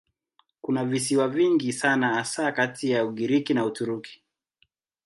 Kuna visiwa vingi sana hasa kati ya Ugiriki na Uturuki.